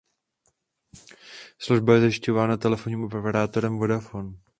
Služba je zajišťována telefonním operátorem Vodafone.